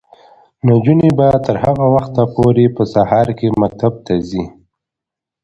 نجونې به تر هغه وخته پورې په سهار کې مکتب ته ځي.